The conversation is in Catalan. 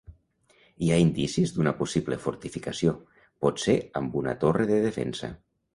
Hi ha indicis d'una possible fortificació, potser amb una torre de defensa.